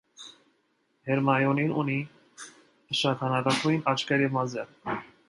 Հերմայոնին ունի շագանակագույն աչքեր և մազեր։